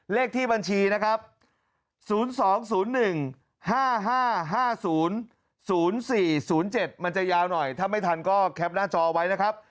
เลขที่บัญชีนะครับ๐๒๐๑๕๕๕๐๐๔๐๔๐๗มันจะยาวหน่อยถ้าไม่ทันก็แคปหน้าจอเอาไว้นะครับ